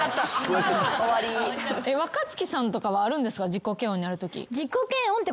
自己嫌悪になるとき。